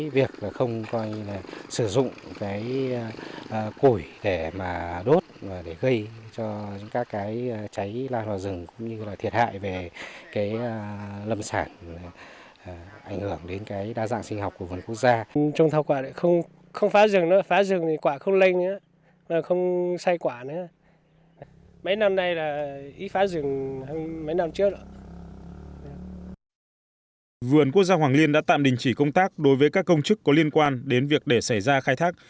vườn quốc gia hoàng liên đã tạm đình chỉ công tác đối với các công chức có liên quan đến việc để xảy ra khai thác